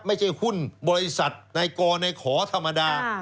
ไม่ใช่หุ้นบริษัทในกรในขอธรรมดา